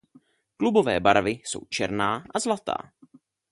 Klubové barvy jsou černá a zlatá.